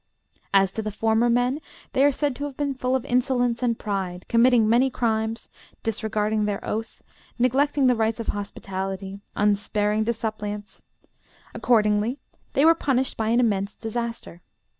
As to the former men, they are said to have been full of insolence and pride, committing many crimes, disregarding their oath, neglecting the rights of hospitality, unsparing to suppliants; accordingly, they were punished by an immense disaster.